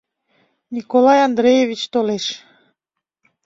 Николай Андреевич толеш.